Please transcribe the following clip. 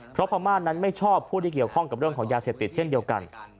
เพราะพม่านั้นไม่ชอบผู้ที่เกี่ยวข้องกับเรื่องของยาเสพติดเช่นเดียวกัน